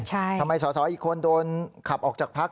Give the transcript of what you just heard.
ทำไมสอสออีกคนโดนขับออกจากพัก